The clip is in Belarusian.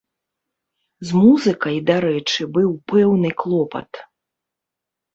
З музыкай, дарэчы, быў пэўны клопат.